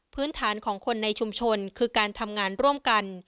พื้นฐานของคนในชุมชนคือการทำงานร่วมกัน